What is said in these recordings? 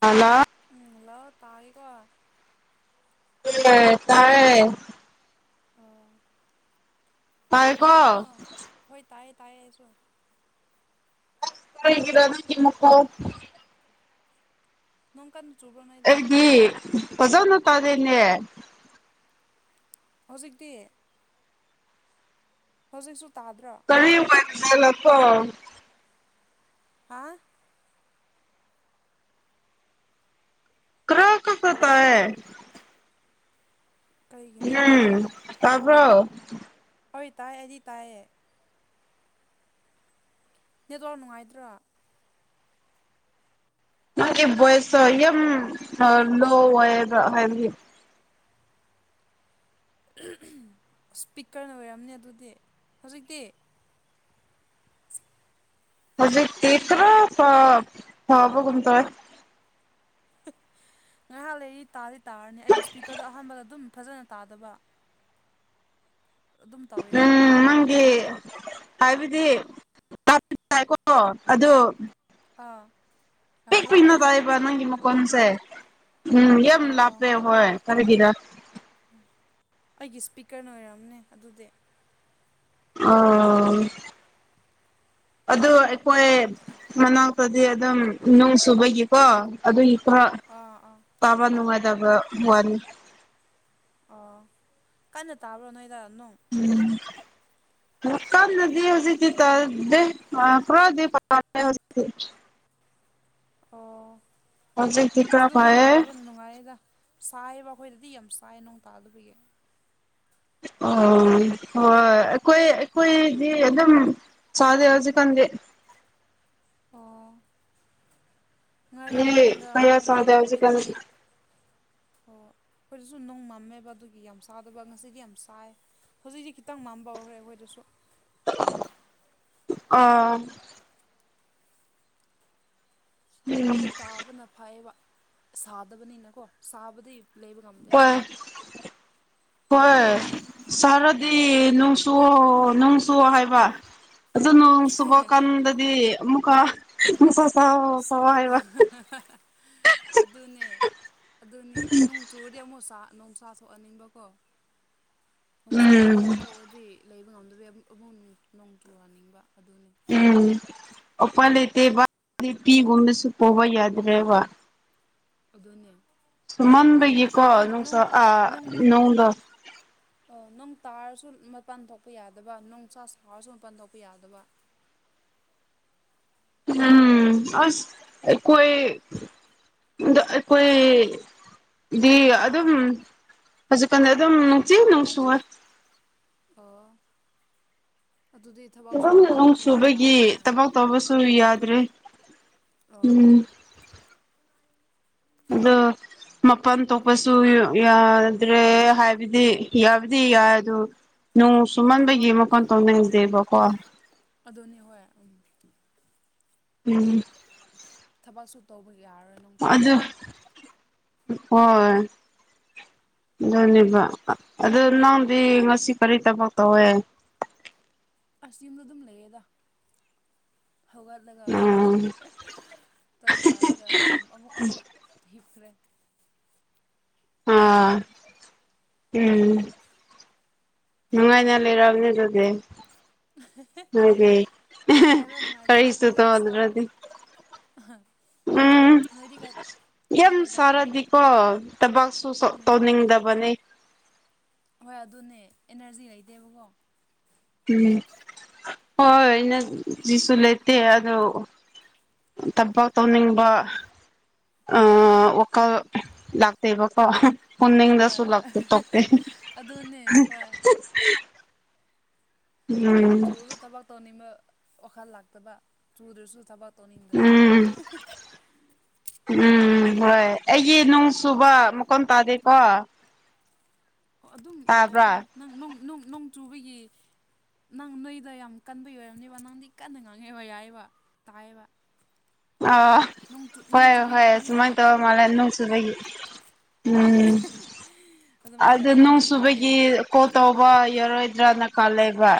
hello ꯎꯝ hello ꯇꯥꯏ ꯀꯣ ꯎꯝ ꯇꯥꯌꯦ ꯑꯣ ꯇꯥꯏꯀꯣ ꯀꯩꯗꯧꯏꯅꯣ ꯍꯣꯏ ꯇꯥꯏꯌꯦ ꯇꯥꯏꯌꯦ ꯑꯩꯁꯨ ꯀꯩꯒꯤꯔꯥ ꯅꯪꯒꯤ ꯑꯣ ꯃꯀꯣ ꯅꯣꯡꯀꯥꯟ ꯆꯨꯕ꯭ꯔꯅꯣꯏ ꯑꯩꯗꯤ ꯑꯣꯖꯅ ꯇꯥꯔꯦꯅꯦ ꯍꯧꯖꯤꯛꯇꯤ ꯍꯧꯖꯤꯛꯁꯨ ꯇꯥꯗ꯭ꯔꯣ ꯀꯅꯤ [unintelligible] ꯑꯣꯂꯛ ꯄꯣ ꯍꯥꯥ ꯈ꯭ꯔ ꯈꯛꯇ ꯍꯜꯂꯣ ꯇꯥꯏꯌꯦ ꯀꯔꯤꯒꯤꯅꯣꯅꯦ ꯎꯝ ꯇꯕ꯭ꯔꯣ ꯍꯣꯏ ꯇꯥꯏ ꯑꯩꯗꯤ ꯇꯥꯏꯌꯦ ꯅꯦꯠ ꯋꯥꯛ ꯅꯨꯡꯉꯥꯏꯗ꯭ꯔꯣ ꯅ‌ꯪꯒꯤ ꯚꯣꯏꯁꯇꯣ ꯌꯥꯝ ꯂꯣ ꯑꯣꯏꯌꯦꯕ ꯍꯥꯏꯕꯗꯤ ꯏꯁꯄꯤꯀꯔꯅ ꯑꯣꯏꯔꯝꯅꯦ ꯑꯗꯨꯗꯤ ꯍꯧꯖꯤꯛꯇꯤ ꯍꯧꯖꯤꯇꯤ ꯈꯔ ꯐ ꯐꯕꯒꯨꯝ ꯇꯧꯑꯦ ꯉꯥꯏꯍꯥꯛ ꯂꯩꯔꯤ ꯇꯥꯗꯤ ꯇꯥꯔꯅꯤ ꯑꯩꯒꯤ ꯏꯁꯄꯤꯀꯔꯗꯣ ꯑꯍꯥꯟꯕꯗ ꯑꯗꯨꯝ ꯐꯖꯅ ꯇꯥꯗꯕ ꯑꯗꯨꯝ ꯎꯝ ꯇꯧꯋꯦꯕ ꯅꯪꯒꯤ ꯍꯥꯏꯕꯗꯤ ꯇꯥꯗꯤ ꯇꯥꯏꯀ‌ꯣ ꯑꯗ‌‌ꯣ ꯑꯥ ꯌꯥꯝ ꯄꯤꯛ ꯄꯤꯛꯅ ꯂꯥꯞꯄꯗꯣ ꯇꯥꯏꯕ ꯅꯪꯒꯤ ꯃꯈꯣꯟꯁꯦ ꯎꯝ ꯌꯥꯝ ꯑꯣ ꯂꯥꯞꯄꯦ ꯍꯣꯏ ꯀꯔꯤꯒꯤꯔ ꯑꯩꯒꯤ ꯏꯁꯄꯤꯀꯔꯅ ꯑꯣꯏꯔꯝꯅꯦ ꯑꯗꯨꯗꯤ ꯑꯣ ꯑꯗꯨ ꯑꯩꯈꯣꯏ ꯃꯅꯥꯛ ꯗꯤ ꯑꯗꯨꯝ ꯅꯨꯡ ꯁꯨꯕꯒꯤꯀꯣ ꯑꯗꯨꯒꯤ ꯑꯥ ꯑꯥ ꯇꯥꯕ ꯅꯨꯡꯉꯥꯏꯇꯕ ꯋꯥꯅꯤ ꯑꯣ ꯀꯟꯅ ꯇꯥꯕ꯭ꯔꯣ ꯅꯣꯏꯗꯥ ꯅꯨꯡ ꯎꯝ ꯀꯟꯅꯗꯤ ꯍꯩꯖꯤꯛꯇꯤ ꯇꯥꯗꯦ ꯑ ꯈꯔꯗꯤ ꯐ꯭ꯔ‌ꯦ ꯍꯧꯖꯤꯛꯇꯤ ꯑꯣ ꯍꯧꯖꯤꯛꯇꯤ ꯈꯔ ꯑꯁꯗꯨ ꯅꯣꯡ ꯐꯌꯦ ꯇꯥꯕꯅ ꯅꯨꯡꯉꯥꯏꯌꯦꯗ ꯁꯥꯏꯌꯦꯕ ꯑꯩꯈꯣꯏꯗꯗꯤ ꯌꯥꯝ ꯁꯥꯏ ꯅ‌ꯣꯡ ꯇꯥꯗꯕꯒꯤ ꯑꯣ ꯍꯣꯏ ꯑꯩꯈꯣꯏ ꯑꯩꯈꯣꯏꯗꯤ ꯑꯗꯨꯝ ꯁꯥꯗꯦ ꯍꯧꯖꯤꯛꯀꯥꯟꯗꯤ ꯑꯣ ꯃꯤ ꯉꯔꯥꯡꯒ ꯀꯌꯥ ꯆꯥꯗꯦ ꯃꯃꯥꯡ ꯍꯧꯖꯤꯛꯀꯥꯟ ꯅꯨꯃꯤꯠꯇꯨꯗꯤ ꯑꯣ ꯑꯈ‌ꯣꯏꯗꯁꯨ ꯅꯨꯡ ꯃꯝꯃꯦꯕ ꯑꯗꯨꯒꯤ ꯌꯥꯝ ꯁꯥꯗꯕ ꯉꯁꯤꯗꯤ ꯌꯥꯝ ꯁꯥꯏ ꯍꯧꯖꯤꯛꯇꯤ ꯈꯤꯇꯪ ꯃꯝꯕ ꯍꯧꯈ꯭ꯔꯦ ꯑꯩꯈꯣꯏꯗꯁꯨ ꯑꯥ ꯎꯝ ꯅꯣꯡ ꯇꯥꯕꯅ ꯐꯌꯦꯕ ꯁꯥꯗꯕꯅꯤꯅꯀꯣ ꯁꯥꯕꯗꯤ ꯂꯩꯕ ꯉꯝ ꯍꯣꯏ ꯍꯣꯏ ꯁꯥꯔꯗꯤ ꯅꯨꯡꯁꯨ ꯅꯨꯡꯁꯨ ꯍꯥꯏꯕ ꯑꯗꯨ ꯅꯣꯡ ꯁꯨꯕ ꯀꯥꯟꯗꯗꯤ ꯑꯃꯨꯛꯀ ꯅꯨꯡꯁꯥ ꯁꯥꯎ ꯁꯥꯎ ꯍꯥꯏꯕ ꯑꯗꯨꯅꯦ ꯑꯗꯨꯅꯦ ꯅꯣꯡ ꯆꯨꯔꯗꯤ ꯑꯃꯨꯛ ꯁꯥ ꯅꯨꯡꯁꯥ ꯊꯣꯛꯑꯅꯤꯡꯕꯀꯣ ꯅꯨꯡꯁꯥ ꯎꯝ ꯊꯣꯛꯑꯗꯤ ꯂꯩꯕ ꯉꯝꯗꯕꯩ ꯑꯃꯨꯛ ꯅꯣꯡ ꯆꯨꯍꯟꯅꯤꯡꯕ ꯑꯗꯨꯅꯤ ꯎꯝ ꯑꯣꯄꯥꯏ ꯂꯩꯇꯦꯕ ꯂꯤꯄꯤꯒꯨꯝꯅꯁꯨ ꯇꯧꯕ ꯌꯥꯗꯦ [unintelligible] ꯋꯥ ꯑꯗꯨꯅꯦ ꯁꯨꯃꯟꯕꯒꯤꯀꯣ ꯅꯣꯡ ꯅꯨꯡꯁ ꯅꯣꯡ ꯑꯥ ꯅꯣꯡ ꯅꯣꯡꯗꯣ ꯑꯣ ꯅꯣꯡ ꯇꯥꯔꯁꯨ ꯃꯄꯥꯟ ꯊꯣꯛꯄ ꯌꯥꯗꯕ ꯅꯣꯡꯁꯥ ꯁꯥꯔꯁꯨ ꯃꯄꯥꯟ ꯊꯣꯛꯄ ꯌꯥꯗꯕ ꯎꯝ ꯑꯁ ꯑꯩ ꯀꯣꯢ ꯗ ꯑꯩ ꯀꯨꯢ ꯗꯤ ꯑꯗꯨꯝ ꯍꯧꯖꯤꯛꯀꯥꯟꯗꯤ ꯑꯗꯨꯝ ꯅꯨꯡꯇꯤ ꯅꯨꯡꯁꯨꯋꯦ ꯑꯣ ꯑꯗꯨꯗꯤ ꯊꯕꯛꯁꯨ ꯑꯗꯨꯝ ꯃꯄꯥꯟꯁꯨ ꯅꯣꯡ ꯊꯣꯛꯄ ꯆꯨꯕꯒꯤ ꯌꯥꯔꯝꯃꯣꯏ ꯅꯪ ꯊꯕꯛ ꯇꯧꯕꯁꯨ ꯌꯥꯗ꯭ꯔꯦ ꯑꯣ ꯎꯝ ꯑꯥ ꯑꯗ‌ꯣ ꯃꯄꯥꯟ ꯊꯣꯛꯄꯁꯨ ꯌꯥꯗ꯭ꯔꯦ ꯍꯥꯏꯕꯗꯤ ꯌꯥꯕꯗꯤ ꯌꯥꯢ ꯑꯗꯨ ꯅꯣꯡ ꯍꯣꯏ ꯊꯕꯛ ꯁꯨꯃꯟꯕꯒꯤ ꯃꯄꯥꯟ ꯇꯣꯛꯅꯤꯡꯗꯦꯕꯀꯣ ꯑꯗꯨꯅꯦ ꯍꯣꯏ ꯑꯝ ꯎꯝ ꯊꯕꯛꯁꯨ ꯇꯧꯕ ꯌ꯭ꯥꯔꯣꯏꯅꯣ ꯑꯗꯨ ꯍꯣꯏ ꯗꯨꯅꯦꯕ ꯑꯥ ꯑꯗꯨ ꯅꯪꯗꯤ ꯉꯁꯤ ꯀꯔꯤ ꯇꯕꯛ ꯇꯧꯋꯦ ꯑꯁ ꯌꯨꯝꯗ ꯗꯨꯝ ꯂꯩꯌꯦꯗ ꯍꯧꯒꯠꯂꯒ ꯎꯝ [unintelligible] ꯆꯥꯛ ꯆꯥꯔꯒ ꯑꯗꯨꯝ ꯑꯃꯨꯛ ꯑꯃꯨꯛ ꯍꯤꯞꯈ꯭ꯔꯦ ꯑꯥ ꯎꯝ ꯅꯨꯉꯥꯏꯅ ꯂꯩꯔꯕꯅꯦ ꯗꯨꯗꯤ ꯅꯨꯡꯉꯥꯏꯕ꯭ꯔꯥ [unintelligible] ꯅꯨꯡꯉꯥꯏꯇꯕ꯭ꯔꯥ ꯀꯔꯤꯁꯨ ꯈꯪꯗꯦꯗ ꯇꯧꯗ꯭ꯔꯗꯤ ꯁꯥꯕꯒꯤ ꯎꯝ ꯅꯣꯏꯗꯤ ꯀꯩ ꯅꯣꯏꯗꯤ ꯌꯥꯝ ꯀꯩ ꯇꯧꯕꯅꯣ ꯁꯥꯔꯗꯤ ꯀꯣ ꯇꯕꯛꯁꯨ [unintelligible] ꯎꯝ ꯇꯧꯅꯤꯡꯗꯕꯅꯤ ꯍꯣꯏ ꯑꯗꯨꯅꯦ ꯑꯦꯅꯔꯖꯤ ꯂꯩꯇꯦꯕꯀꯣ ꯎꯝ ꯍꯣꯏ ꯑꯦꯅ ꯖꯤꯁꯨ ꯂꯩꯇꯦ ꯑꯗꯣ ꯇꯕꯛ ꯇꯧꯅꯤꯡꯕ ꯑꯥ ꯋꯥꯈꯜ ꯂꯥꯛꯇꯦꯕꯀꯣ ꯍꯣꯏ ꯑꯣꯟꯅꯤꯡꯗꯁꯨ ꯂꯥꯛꯇꯦ ꯍꯣꯏ ꯇꯣꯛꯇꯦ ꯑꯗꯨꯅꯦ ꯍꯣꯏ ꯅꯪ ꯆꯨꯔꯒ ꯇꯕꯛ ꯇꯧꯅꯤꯡꯕ ꯋꯥꯈꯜ ꯂꯥꯛꯇꯕ ꯆꯨꯗ꯭ꯔꯁꯨ ꯊꯕꯛ ꯇꯧꯅꯤꯡꯗꯕ ꯎꯝ ꯎꯝ ꯍꯣꯏ ꯑꯩꯒꯤ ꯅꯣꯡ ꯁꯨꯕ ꯃꯈꯣꯟ ꯇꯥꯗꯦꯀꯣ ꯑꯣ ꯑꯗꯨꯝ ꯌꯥꯏꯌꯦꯗ ꯇꯥꯕ꯭ꯔꯥ ꯍꯣꯢ ꯅꯪ ꯅꯣꯡ ꯅꯣꯡ ꯅꯣꯡ ꯆꯨꯕꯒꯤ ꯅꯪ ꯅꯣꯏꯗ ꯌꯥꯝ ꯀꯟꯕꯒꯤ ꯑꯣꯏꯔꯝꯅꯤꯕ ꯅꯪꯗꯤ ꯀꯟꯅ ꯉꯥꯡꯉꯦꯕ ꯌꯥꯏꯌꯦꯕ ꯇꯥꯏꯌꯦꯕ ꯑ ꯅꯣꯡ ꯆꯨ ꯅꯣꯡ ꯍꯣꯏ ꯆꯨꯕꯒꯤ ꯍꯣꯏ ꯃꯈꯣꯟꯗꯤ ꯁꯨꯃꯥꯏꯅ ꯇꯥꯗꯦ ꯇꯧꯕ ꯃꯥꯜꯂꯦ ꯅꯣꯡꯁꯨꯨꯕꯒꯤ ꯑꯥ ꯎꯝ ꯑꯗꯨꯃꯥꯏꯅ ꯑꯗꯨ ꯇꯧꯕꯅꯤ ꯅꯣꯡ ꯇꯥꯔꯗꯤ ꯁꯨꯕꯒꯤ ꯑꯩꯈꯣꯏꯁꯨ ꯀꯣꯜ ꯇꯧꯕ ꯌꯥꯔꯣꯏꯗ꯭ꯔꯥꯅ ꯈꯜꯂꯦꯕ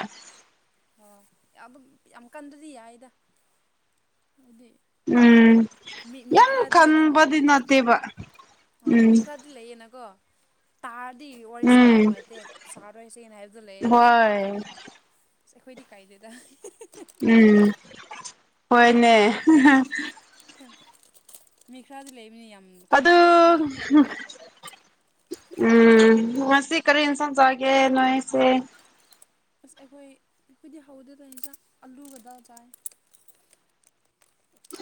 ꯑꯣ ꯑꯗꯨꯝ ꯌꯥꯝ ꯀꯟꯗ꯭ꯔꯗꯤ ꯌꯥꯏꯌꯦꯗ ꯍꯥꯏꯗꯤ ꯎꯝ ꯃꯤ ꯃꯤ ꯌꯥꯝ ꯈꯔꯗꯤ ꯑꯗꯨꯝ ꯈꯟꯕꯗꯤ ꯅꯠꯇꯦꯕ ꯑꯣ ꯎꯝ ꯃꯤ ꯈꯔꯗꯤ ꯂꯩꯌꯦꯅꯀꯣ ꯇꯥꯔꯗꯤ ꯋꯥꯔꯤ ꯁꯥꯕ ꯎꯝ ꯅꯨꯡꯉꯥꯏꯇꯦ ꯁꯥꯔꯣꯏꯁꯦꯅ ꯍꯥꯏꯕꯗꯣ ꯂꯩꯌꯦꯕ ꯍꯣꯏ ꯑꯁ ꯑꯩꯈꯣꯏꯗꯤ ꯀꯥꯏꯗꯦꯗ [unintelligible] ꯎꯝ ꯍꯣꯏꯅꯦ ꯍꯍꯥ ꯍꯥ ꯃꯤ ꯈ꯭ꯔꯗꯤ ꯂꯩꯕꯅꯤ ꯌꯥꯝ ꯀꯩꯅꯣ ꯑꯗꯨ ꯇꯧꯕ ꯃꯤꯗꯣ [unintelligible] ꯎꯝ ꯉꯁꯤ ꯀꯔꯤ ꯏꯟꯁꯥꯡ ꯆꯥꯒꯦ ꯅꯣꯏꯁꯦ ꯑꯁ ꯑꯩꯈꯣꯏ ꯑꯩꯈꯣꯏꯗꯤ ꯍꯧꯗꯦꯗ ꯏꯟꯁꯥꯡ ꯑꯥꯂꯨꯒ ꯗꯥꯜ ꯆꯥꯏ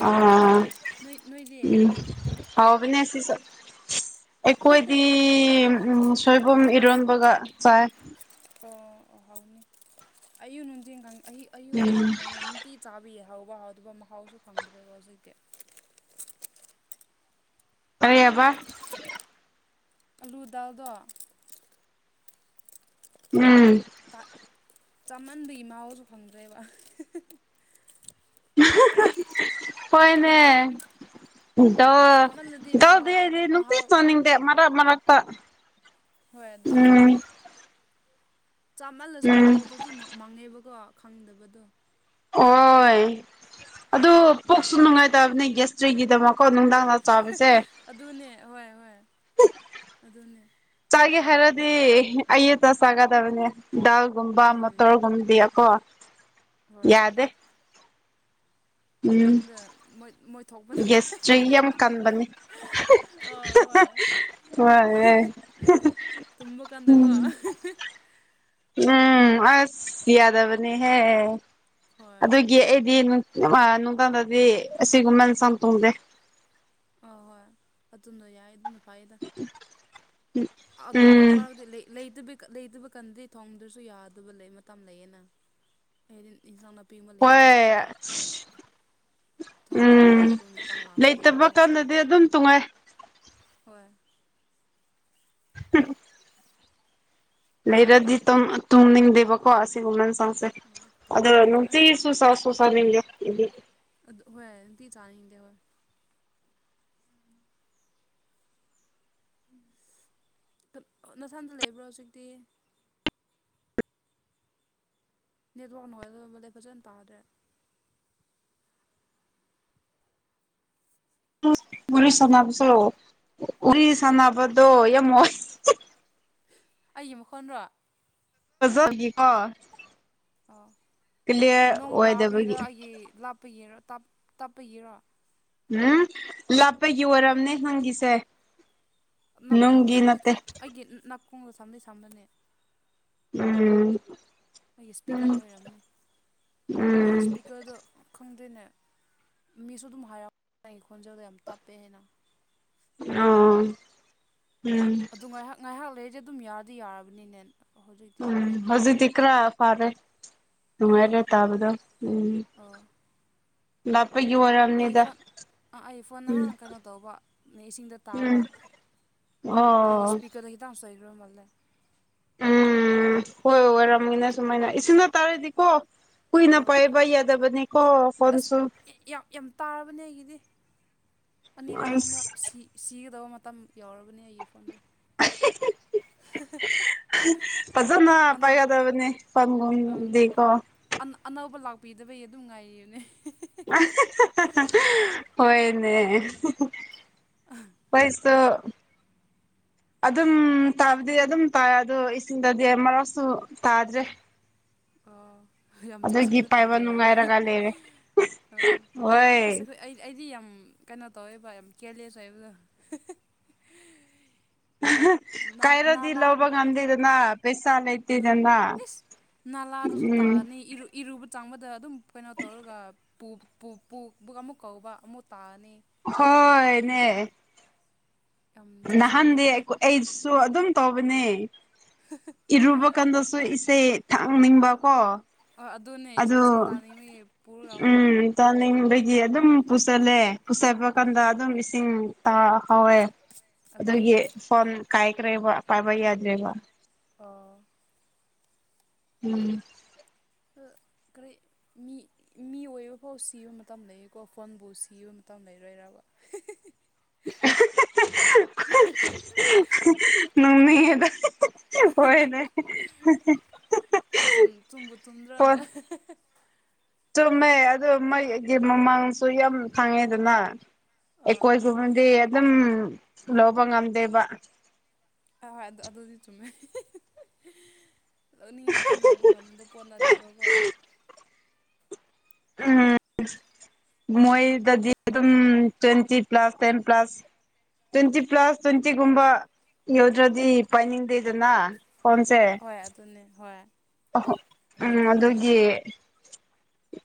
ꯑꯥ ꯅꯣꯏ ꯅꯣꯏꯗꯤ ꯎꯝ ꯍꯥꯎꯕꯅꯦ ꯁꯤꯁꯨ ꯑꯩꯈꯣꯏꯗꯤ ꯎꯝ ꯁꯣꯏꯕꯨꯝ ꯏꯔꯣꯟꯕꯒ ꯆꯥꯏ ꯑꯣ ꯑꯣ ꯍꯥꯎꯅꯤ ꯑꯌꯨꯛ ꯅꯨꯡꯊꯤꯟ [unintelligible] ꯑꯌꯨꯛ ꯅꯨꯡꯗꯥꯡ ꯎꯝ [unintelligible] ꯅꯤꯡꯇꯤ ꯆꯥꯕꯤ ꯍꯧꯕ ꯍꯥꯎꯗꯕ ꯃꯍꯥꯎꯁꯨ ꯈꯪꯗꯔꯦꯕꯥ ꯍꯧꯖꯤꯛꯇꯤ ꯀꯔꯤ ꯍꯕꯥ ꯑꯥꯂꯨ ꯗꯥꯜꯗꯣ ꯎꯝ ꯇꯥꯠ ꯆꯥꯃꯟꯕꯒꯤ ꯃꯍꯥꯎꯁꯨ ꯐꯪꯗ꯭ꯔꯦꯕ [unintelligible] ꯍꯣꯏꯅꯦ ꯗꯥꯜ ꯆꯥꯃꯜꯂꯗꯤ ꯗꯥꯜꯗꯤ ꯃꯍꯥꯎ ꯑꯩꯗꯤ ꯅꯨꯡꯇꯤ ꯃꯍꯥꯎ ꯆꯥꯅꯤꯡ ꯗꯦ ꯃꯔꯛ ꯃꯔꯛꯇ ꯍꯣꯏ ꯑꯗꯨꯅꯦ ꯎꯝ ꯆꯥꯃꯜꯂꯁꯨ ꯎꯝ ꯃꯍꯥꯎꯗꯖꯨ ꯃ ꯃꯥꯡꯉꯦꯕꯀꯣ ꯈꯪꯗꯕꯗꯣ ꯑꯣꯏ ꯑꯗꯨ ꯄꯨꯛꯁꯨ ꯅꯨꯡꯉꯥꯏꯇꯕꯅꯦ ꯒꯦꯁꯇ꯭ꯔꯤꯛꯒꯤ ꯗꯃꯛꯀꯣ ꯅꯨꯡꯗꯥꯡꯗ ꯆꯥꯕꯖꯦ ꯑꯗꯨꯅꯦ ꯍꯣꯏ ꯍꯣꯏ ꯑꯗꯨꯅꯦ ꯆꯥꯒꯦ ꯍꯥꯏꯔꯗꯤ ꯑꯌꯨꯛꯇ ꯆꯥꯒꯗꯕꯅꯦ ꯗꯥꯜ ꯒꯨꯝꯕꯥ ꯎꯝ ꯃꯇ꯭ꯔ ꯒꯨꯝꯗꯤ ꯑꯀꯣ ꯍꯣꯏ ꯎꯝ ꯑꯍꯤꯡꯗ ꯃꯣꯏ ꯃꯣꯏ ꯊꯣꯛꯄꯅ ꯒꯦꯁꯇ꯭ꯔꯤꯛ ꯌꯥꯝ ꯀꯟꯕꯅꯤ ꯑꯥ ꯍꯣꯏ ꯍꯣꯏ [unintelligible] ꯇꯨꯝꯕ ꯀꯥꯟꯗꯀꯣ [unintelligible] ꯎꯝ ꯎꯝ ꯑꯁ ꯌꯥꯗꯕꯅꯦꯍꯦ ꯍꯣꯏ ꯑꯗꯨꯒꯤ ꯑꯩꯗꯤ ꯅꯨꯡ [unintelligible] ꯅꯨꯡꯗꯥꯡꯗꯗꯤ ꯑꯁꯤ ꯒꯨꯝꯕ ꯍꯤꯟꯁꯥꯡ ꯊꯣꯡꯗꯦ ꯑꯥ ꯍꯣꯏ ꯑꯗꯨꯅ ꯌꯥꯏ ꯑꯗꯨꯅ ꯐꯩꯗ [unintelligible] ꯑꯗꯨꯕꯨ ꯎꯝ ꯑꯃꯔꯛꯇꯩ ꯂꯩ ꯂꯩꯇꯕꯤ ꯀꯠ ꯂꯩꯗꯕ ꯀꯥꯟꯗꯤ ꯊꯣꯡꯗ꯭ꯔꯁꯨ ꯌꯥꯗꯕ ꯂꯩ ꯃꯇꯝ ꯂꯩꯌꯦꯅ ꯍꯥꯏꯗꯤ ꯏꯟꯁꯥꯡ ꯅꯥꯄꯤ ꯄꯤ ꯑꯃ ꯂꯩꯇꯕ ꯀꯥꯟꯗ ꯍꯣꯏ ꯊꯣꯡꯗ꯭ꯔꯗꯤ ꯎꯝ ꯌꯥꯗꯕꯩ ꯃꯇꯥꯡ ꯂꯥꯛꯄꯒꯤ ꯑꯗꯨꯝ ꯂꯩꯇꯕ ꯊꯣꯡꯕꯗꯣ ꯀꯥꯟꯗꯗꯤ ꯑꯗꯨꯝ ꯇꯣꯡꯉꯥꯏ ꯍꯣꯏ [unintelligible] ꯂꯩꯔꯗꯤ ꯇꯨꯝ ꯇꯨꯝꯅꯤꯡꯗꯦꯕꯀꯣ ꯑꯁꯤ ꯒꯨꯝꯕ ꯏꯟꯁꯥꯡꯁꯦ ꯑꯗꯨꯒ ꯍꯣꯏ ꯅꯨꯡꯇꯤꯁꯨ ꯆꯥ ꯁꯨ ꯆꯥꯅꯤꯡꯗꯦ [unintelligible] ꯑꯗꯨ ꯍꯣꯏ ꯅꯨꯡꯇꯤ ꯆꯥꯅꯤꯡꯗꯦ ꯍꯣꯏ ꯅ ꯅꯊꯟꯗ ꯂꯩꯕ꯭ꯔꯣ ꯍꯧꯖꯤꯛꯇꯤ ꯅꯦꯠꯋꯥꯛ ꯅꯨꯉꯥꯏꯇꯕ ꯃꯥꯜꯂꯦ ꯐꯖꯅ ꯇꯥꯗ꯭ꯔꯦ ꯋꯥꯔꯤ ꯁꯥꯟꯅꯕꯁꯨ ꯋꯥꯔꯤ ꯁꯥꯟꯅꯕꯗꯣ ꯌꯥꯝ ꯋꯥꯏ ꯑꯩꯒꯤ ꯃꯈꯣꯟꯔꯣ ꯐꯖꯕꯒꯤꯀꯣ ꯑꯥ ꯀ꯭ꯂꯤꯌꯥꯔ ꯅꯣꯡ ꯑꯣꯏꯗꯕꯒꯤ ꯇꯥꯕꯒꯤꯔꯥ ꯑꯩꯒꯤ ꯂꯥꯞꯄꯒꯤꯔ ꯇꯞ ꯇꯞꯄꯒꯤꯔ ꯎꯝ ꯂꯥꯞꯄꯒꯤ ꯑꯣꯏꯔꯝꯅꯤ ꯅꯪꯒꯤꯁꯦ ꯅꯥꯀꯣꯡꯗ ꯅꯨꯡꯒꯤ ꯊꯝꯗꯤ ꯅꯠꯇꯦ ꯊꯝ ꯑꯩꯒꯤ ꯅ ꯅꯥꯀꯣꯡꯗ ꯊꯝꯗꯤ ꯊꯝꯕꯅꯦ ꯎꯝ ꯑꯩꯒꯤ ꯏꯁꯄꯤꯀ꯭ꯔꯅ ꯎꯝ ꯑꯣꯏꯔꯝꯅꯤ ꯑꯩꯒꯤ ꯎꯝ ꯏꯁꯄꯤꯀ꯭ꯔꯗꯣ ꯈꯪꯗꯦꯅꯦ ꯃꯤꯁꯨ ꯑꯗꯨꯝ ꯍꯥꯏꯔꯝ ꯑꯩꯒꯤ ꯈꯣꯟꯖꯦꯜꯗꯣ ꯌꯥꯝ ꯇꯞꯄꯦ ꯍꯥꯏꯅ ꯑꯥ ꯎꯝ ꯑꯗꯨ ꯉꯥꯏꯍꯥꯛ ꯉꯥꯏꯍꯥꯛ ꯂꯩꯔꯗꯤ ꯑꯗꯨꯝ ꯌꯥꯗꯤ ꯌꯥꯔꯕꯅꯤꯅꯦ ꯍꯧꯖꯤꯛꯇꯤ ꯎꯝ ꯌꯥꯝ ꯍꯧꯖꯤꯛꯇꯤ ꯈꯔ ꯐꯥꯔꯦ ꯑꯥ ꯅꯨꯡꯉꯥꯏꯔꯦ ꯇꯥꯕꯗ ꯎꯝ ꯑꯥ ꯂꯥꯞꯄꯒꯤ ꯑꯩꯒꯤ ꯑꯣꯏꯔꯝꯅꯤꯗ ꯐꯣꯟ ꯑꯥ ꯑꯩ ꯐꯣꯟ ꯎꯝ ꯅꯍꯥꯟ ꯀꯩꯅꯣ ꯇꯧꯕ ꯏꯁꯤꯡꯗ ꯇꯥꯕ ꯎꯝ ꯑꯣ ꯁ꯭ꯄꯤꯀ꯭ꯔꯗꯩ ꯗꯥꯛꯁ ꯂꯩꯒ꯭ꯔ ꯃꯥꯜꯂꯦ ꯎꯝ ꯍꯣꯏ ꯑꯣꯏꯔꯝꯒꯅꯤ ꯁꯨꯃꯥꯏꯅ ꯏꯁꯤꯡꯗ ꯇꯥꯔꯗꯤꯀꯣ ꯀꯨꯏꯅ ꯑꯥ ꯄꯥꯏꯕ ꯌꯥꯗꯕꯅꯤꯀꯣ ꯑꯁ ꯐꯣꯟꯁꯨ ꯌꯥꯝ ꯌꯥꯝ ꯇꯥꯕꯅꯦ ꯑꯩꯒꯤꯗꯤ ꯑꯅꯤꯔꯛ ꯑꯍꯨꯝꯔꯛ ꯑꯁ ꯁꯤ ꯁꯤꯒꯗꯧꯕ ꯃꯇꯝ ꯌꯧꯔꯕꯅꯦ ꯑꯩꯒꯤ ꯐꯣꯟꯗꯤ [unintelligible] [unintelligible] ꯍ‌ ꯐꯖꯅ ꯑꯅꯧ ꯄꯥꯏꯒꯗꯕꯅꯦ ꯐꫭꯟꯒꯨꯝꯗꯤꯀꯣ ꯑꯅꯥ ꯑꯅꯧꯕ ꯂꯥꯛꯄꯤꯗꯕꯩ ꯑꯗꯨꯝ ꯉꯥꯏꯔꯤꯝꯅꯦ [unintelligible] [unintelligible] ꯍꯣꯏꯅꯦ ꯄꯩꯁꯨ ꯑꯗꯨꯝ ꯇꯥꯕꯗꯤ ꯑꯗꯨꯝ ꯇꯥꯏ ꯑꯗꯣ ꯏꯁꯤꯡꯗꯗꯤ ꯑꯃꯔꯛꯁꯨ ꯇꯥꯗ꯭ꯔꯦ ꯑꯣ ꯌꯥꯝ ꯑꯗꯨꯒꯤ ꯆꯦꯛꯁꯤꯟꯅ ꯄꯥꯏꯕ ꯊꯝꯕꯒꯤ ꯑꫭꯏꯔꯝꯅꯤ ꯅꯨꯡꯉꯥꯏꯔꯒ [unintelligible] ꯂꯩꯔꯦ ꯑꯣ ꯍꯣꯏ ꯍꯨꯁꯇ ꯍꯨꯏ ꯑꯩ ꯑꯩꯗꯤ ꯌꯥꯝ ꯀꯩꯅꯣ ꯇꯧꯋꯦꯕ ꯌꯥꯝ ꯀ꯭ꯌꯔꯂꯦꯁ ꯑꯣꯏꯕꯗꯣ [unintelligible] ꯑꯍ ꯅꯥ ꯀꯥꯏꯔꯗꯤ ꯅꯥꯂꯥ ꯂꯧꯕ ꯉꯝꯗꯦꯗꯅ ꯄꯩꯁꯥ ꯑꯗꯨ ꯂꯩꯇꯦꯗꯅ ꯏꯁ ꯅꯥꯂꯥꯗꯁꯨ ꯎꯝ ꯇꯥꯔꯅꯤ ꯏꯔꯨ ꯏꯔꯨꯕ ꯆꯡꯕꯗ ꯑꯗꯨꯝ ꯀꯩꯅꯣ ꯇꯧꯔꯒ ꯄꯨ ꯄꯨ ꯄꯨ ꯕꯨ ꯑꯃꯨꯛ ꯀꯧꯕ ꯑꯃꯨꯛ ꯇꯥꯅꯤ ꯍꯣꯏꯅꯦ ꯌꯥꯝ ꯅꯍꯥꯟꯗꯤ ꯆꯦꯛꯁꯤꯟꯗꯕꯗꯣ [unintelligible] ꯑꯩꯁꯨ ꯑꯗꯨꯝ ꯇꯧꯕꯅꯦ [unintelligible] ꯏꯔꯨꯕ ꯀꯥꯟꯗꯁꯨ ꯏꯁꯩ ꯊꯥꯛꯅꯤꯡꯕ ꯀꯣ ꯑ ꯑꯗꯨꯅꯦ ꯏꯁꯩ ꯇꯥꯅꯤꯡꯕꯒꯤ ꯄꯨꯔꯒ ꯑꯃꯨꯛ ꯇꯥꯅꯤꯡꯕꯒꯤ ꯑꯗꯨꯝ ꯄꯨꯁꯜꯂꯦ ꯄꯨꯁꯟꯕ ꯎꯝ ꯀꯥꯟꯗ ꯑꯗꯨꯝ ꯏꯁꯤꯡ ꯇꯥꯍꯧꯋꯦ ꯑꯗꯨꯅꯦ ꯑꯗꯨꯒꯤ ꯐꯣꯟ ꯀꯥꯏꯈ꯭ꯔꯦꯕ ꯄꯥꯏꯕ ꯌꯥꯗ꯭ꯔꯦꯕ ꯑꯣ ꯎꯝ ꯗꯨ ꯀꯔꯤ ꯃꯤ ꯃꯤ ꯑꯣꯏꯕ ꯐꯧ ꯁꯤꯕ ꯃꯇꯝ ꯂꯩꯌꯦꯀꯣ ꯐꯣꯟꯕꯨ ꯁꯤꯕ ꯃꯇꯝ ꯂꯩꯔꯣꯏꯔꯕ [unintelligible] [unintelligible] [unintelligible] ꯅꫭꯛꯅꯤꯡꯉꯦꯗ [unintelligible] ꯍꯣꯏꯅꯦ ꯍꯦꯍꯦ ꯨꯑꯦ ꯆꯨꯝ ꯆꯨꯝꯕꯨ ꯆꯨꯝꯗ꯭ꯔꯅꯦ ꯐꯣꯟ [unintelligible] ꯆꯨꯝꯃꯦ ꯑꯗꯨ ꯃꯩꯒꯤ ꯃꯃꯥꯡꯁꯨ ꯌꯥꯝ ꯈꯥꯡꯉꯦꯗꯅ ꯑꯥ ꯑꯩꯈꯣꯏꯒꯨꯝ ꯗꯤ ꯑꯗꯨꯝ ꯂꯧꯕ ꯉꯝꯗꯦꯕ ꯍꯣꯏ ꯍꯣꯏ ꯑꯗꯨ ꯑꯗꯨꯗꯤ ꯆꯨꯝꯃꯦ [unintelligible] ꯂꯧꯅꯤꯡꯕ ꯃꯇꯝ ꯂꯧꯕ ꯉꯝꯕ ꯄꯣꯠ ꯅꯠꯇꯦꯕꯀꯣ ꯎꯝ ꯃꯣꯏꯗꯗꯤ ꯑꯗꯨꯝ twenty plus ten plus twenty plus ꯇ꯭ꯋꯦꯟꯇꯤꯒꯨꯝꯕ ꯌꯧꯗ꯭ꯔꯗꯤ ꯄꯥꯏꯅꯤꯡꯗꯦꯗꯅ‌ ꯐꯣꯟꯁꯦ ꯍꯣꯏ ꯑꯗꯨꯅꯦ ꯍꯣꯏ [unintelligible] ꯎꯝ ꯑꯗꯨꯅꯦ ꯑꯗꯨꯒꯤ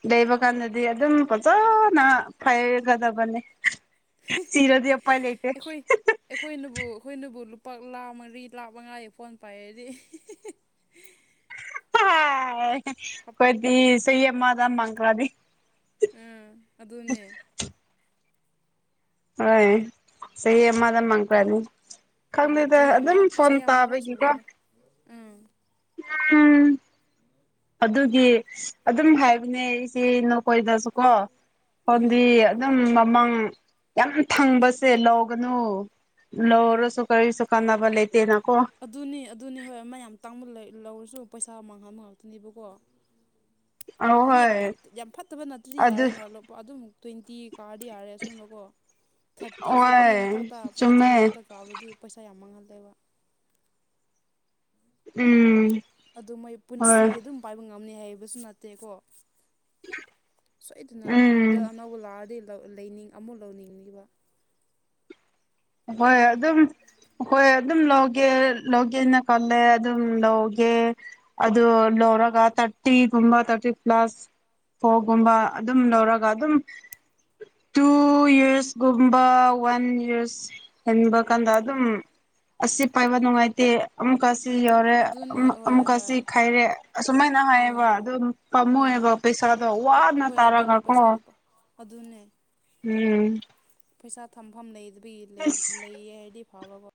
ꯂꯩꯕ ꯀꯥꯟꯗꯗꯤ ꯑꯗꯨꯝ ꯐꯖꯅ ꯐꯩꯒꯗꯕꯅꯤ ꯆꯤꯔꯗꯤ ꯑꯄꯥꯏ ꯂꯩꯇꯦ ꯑꯩꯈꯣꯏ [unintelligible] ꯑꯩꯈꯣꯏꯅꯕꯨ ꯑꯈꯣꯏꯅꯕꯨ ꯂꯨꯄꯥ ꯂꯥꯛ ꯃꯔꯤ ꯂꯥꯛ ꯃꯉꯥꯒꯤ ꯐꯣꯟ ꯄꯥꯏꯔꯗꯤ ꯈꯣꯏꯗꯤ ꯆꯍꯤ ꯑꯃꯗ [unintelligible] ꯎꯝ ꯑꯗꯨꯅꯦ ꯍꯣꯏ ꯆꯍꯤ ꯑꯃꯗ ꯃꯟꯀ꯭ꯔꯅꯤ ꯎꯝ ꯆꯍꯤ ꯑꯃ ꯆꯍꯤ ꯑꯃ ꯐꯥꯎ ꯇꯥꯕꯒꯤꯀꯣ ꯁꯨꯔꯣꯏꯗ ꯎꯪ ꯎꯝ ꯑꯗꯨꯒꯤ ꯑꯗꯨꯝ ꯍꯥꯏꯕꯅꯦ ꯑꯩꯁꯦ ꯅꯈꯣꯏꯗ ꯁꯨ ꯀꯣ ꯎꯝ ꯐꯣꯟꯗꯤ ꯑꯗꯨꯝ ꯃꯃꯜ ꯌꯥꯝ ꯊꯪꯕꯁꯦ ꯂꯧ ꯒꯅꯣ ꯎꯝ ꯂꯧꯔꯁꯨ ꯀꯔꯤꯁꯨ ꯀꯥꯟꯅꯕ ꯂꯩꯇꯦꯅ ꯀꯣ ꯑꯗꯨꯅꯤ ꯑꯗꯨꯅꯤ ꯍꯣꯏ ꯃ ꯌꯥꯝ ꯇꯥꯡꯃꯜꯂꯦ ꯂꯧꯔꯁꯨ ꯄꯩꯁꯥ ꯃꯥꯡꯍꯟꯕ ꯉꯥꯛꯇꯅꯦꯕꯀꯣ ꯑꯧ ꯍꯥꯏꯗꯤ ꯌꯥꯝ ꯍꯣꯏ ꯐꯠ ꯌꯥꯝ ꯐꯠꯇꯕ ꯅꯠꯇ꯭ꯔꯗꯤ ꯑꯗꯨ ꯌꯥꯔꯦꯅ ꯂꯨꯄꯥ ꯑꯗꯨꯝ ꯇ꯭ꯋꯦꯟꯇꯤ ꯀꯥꯔꯗꯤ ꯌꯥꯔꯦ ꯑꯁꯦꯡꯕꯀꯣ ꯊꯥꯔꯇꯤ ꯐꯣꯔꯇꯤ ꯍꯣꯏ ꯃꯊꯛꯇ ꯐꯤꯐꯇꯤ ꯆꯨꯝꯃꯦ ꯃꯊꯛꯇ ꯀꯥꯕꯗꯤ ꯄꯩꯁꯥ ꯌꯥꯝ ꯃꯥꯡꯍꯜꯂꯦꯕ ꯎꯝ ꯑꯗꯨ ꯃꯣꯏ ꯍꯣꯏ ꯄꯨꯟꯁꯤꯒꯤ ꯑꯗꯨꯝ ꯄꯥꯏꯕ ꯉꯝꯅꯤ ꯍꯥꯏꯕꯁꯨ ꯅꯠꯇꯦꯀꯣ ꯁꯣꯏꯗꯅ ꯃꯣꯗꯦꯜ ꯎꯝ ꯑꯅꯧꯕ ꯂꯥꯛꯑꯗꯤ ꯂꯩꯅꯤꯡ ꯑꯃꯨꯛ ꯂꯧꯅꯤꯡꯅꯤꯕ ꯍꯣꯏ ꯑꯗꯨꯝ ꯃꯈꯣꯏ ꯑꯗꯨꯝ ꯂꯧꯒꯦ ꯂꯧꯒꯦꯅ ꯀꯜꯂꯦ ꯑꯗꯨꯝ ꯂꯧꯒꯦ ꯑꯗꯨ ꯂꯧꯔꯒ ꯊꯔꯇꯤꯒꯨꯝꯕ ꯊꯔꯇꯤ ꯄ꯭ꯂꯁ ꯐꯣꯒꯨꯝꯕ ꯑꯗꯨꯝ ꯂꯧꯔꯒ ꯑꯗꯨꯝ ꯇꯨ ꯌꯔꯁ ꯒꯨꯝꯕ ꯋꯥꯟ ꯌ꯭ꯔꯁ ꯍꯦꯟꯕ ꯀꯥꯟꯗ ꯑꯗꯨꯝ ꯑꯁꯤ ꯄꯥꯏꯕ ꯅꯨꯡꯉꯥꯏꯇꯦ ꯑꯃꯨꯛꯀ ꯁꯤ ꯌꯧꯔꯦ ꯑꯗꯨꯅꯦ ꯍꯣꯏ ꯑꯃꯨꯛꯀ ꯍꯣꯏ ꯁꯤ ꯈꯥꯏꯔꯦ ꯑꯁꯨꯃꯥꯏꯅ ꯍꯥꯏꯌꯦꯕ ꯎꯝ ꯑꯗꯨꯝ ꯑꯥ ꯄꯥꯃꯨꯏꯑꯦꯕ ꯄꯩꯁꯥꯗꯣ ꯋꯥꯅ ꯍꯣꯏ ꯇꯥꯜꯔꯒ ꯑꯗꯨꯅꯦ ꯀꯣ ꯄꯩꯁꯥꯗꯣ ꯑꯗꯨꯅꯦ ꯎꯝ ꯄꯩꯁꯥ ꯊꯝꯐꯝ ꯂꯩꯇꯕꯒꯤ ꯂꯩ ꯑꯁ ꯂꯩꯌꯦ ꯍꯥꯏꯗꯤ ꯐꯥꯕꯀꯣ